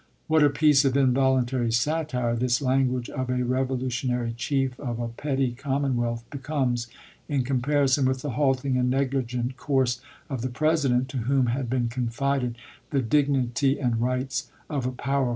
What a piece of involun tary satire this language of a revolutionary chief of a petty commonwealth becomes in comparison with the halting and negligent course of the Presi dent to whom had been confided the " dignity and rights " of a powerful nation.